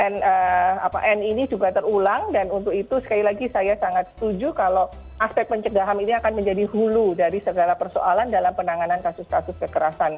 dan ini juga terulang dan untuk itu sekali lagi saya sangat setuju kalau aspek pencegahan ini akan menjadi hulu dari segala persoalan dalam penanganan kasus kasus kekerasan